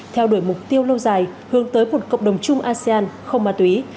theo đuổi mục tiêu lâu dài hướng tới một cộng đồng chung asean không ma túy